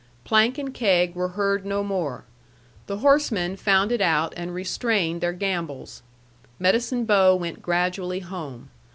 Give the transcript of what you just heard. Plank and keg were heard no more. The horsemen found it out and restrained their gambols. Medicine Bow went gradually home.